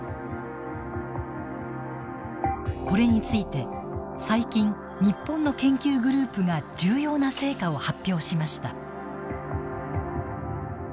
これについて最近、日本の研究グループが重要な成果を発表しました。